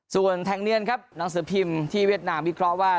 ส่วนแทงเนียนครับหนังสือพิมพ์ที่เวียดนามวิเคราะห์ว่า